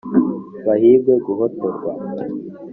bahigiwe guhotorwa